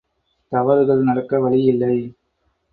தவறுகள் நடக்க வழியில்லை.